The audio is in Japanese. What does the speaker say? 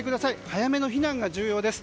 早めの避難が重要です。